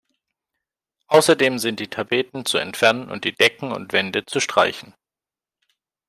Außerdem sind die Tapeten zu entfernen und die Decken und Wände zu streichen.